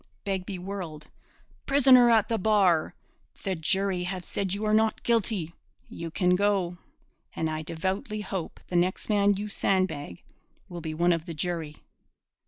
Begbie whirled: 'Prisoner at the bar, the jury have said you are not guilty. You can go, and I devoutly hope the next man you sandbag will be one of the jury.'